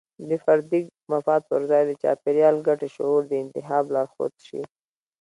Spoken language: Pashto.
د فردي مفاد پر ځای د چاپیریال ګټې شعور د انتخاب لارښود شي.